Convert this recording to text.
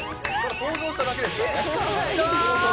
登場しただけですからね。